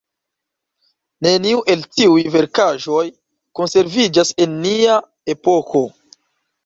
Neniu el tiuj verkaĵoj konserviĝas en nia epoko.